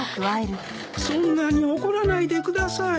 そんなに怒らないでください。